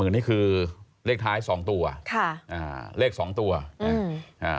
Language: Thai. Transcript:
๘๐๐๐๐นี่คือเลขท้าย๒ตัวค่ะอ่าเลข๒ตัวอืม